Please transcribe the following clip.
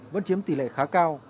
vẫn chiếm tỷ lệ khá cao